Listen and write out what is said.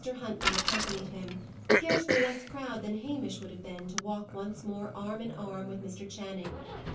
Huntley accompanied him; scarcely less proud than Hamish would have been, to walk once more arm in arm with Mr. Channing.